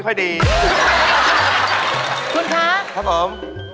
ข้ะผม